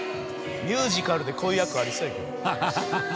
ミュージカルでこういう役ありそうやけど。